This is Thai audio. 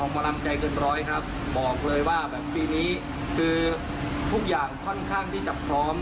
กำลังใจเกินร้อยครับบอกเลยว่าแบบปีนี้คือทุกอย่างค่อนข้างที่จะพร้อม